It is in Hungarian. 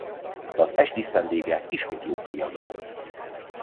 Az est díszvendége ismét Jókai Anna volt.